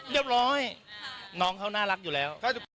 เรียบร้อยน้องเขาน่ารักอยู่แล้ว